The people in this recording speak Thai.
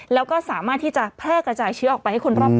แล้วก็สามารถใช้จะแพร่กระจายเชื้อออกไป